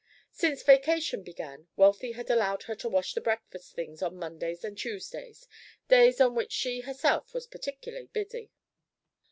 Since vacation began, Wealthy had allowed her to wash the breakfast things on Mondays and Tuesdays, days on which she herself was particularly busy.